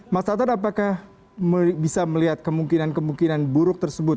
mas tatan apakah bisa melihat kemungkinan kemungkinan buruk tersebut